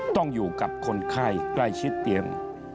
ต้องอยู่กับคนไข้ใกล้ชิดเตียง